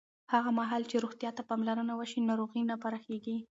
هغه مهال چې روغتیا ته پاملرنه وشي، ناروغۍ نه پراخېږي.